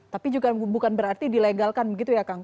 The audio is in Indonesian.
tapi juga bukan berarti dilegalkan begitu ya kang